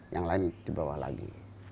yang lain dibawah lagi